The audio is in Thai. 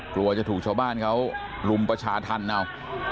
กลัวจะถูกชาวบ้านเขาลุมประชาธรรมเอา